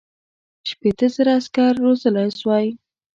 شپېته زره عسکر روزلای سوای.